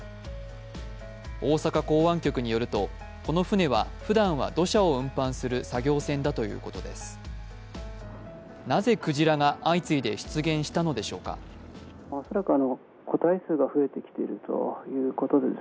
大阪港湾局によると、この船はふだんは土砂を運搬する作業船だということです。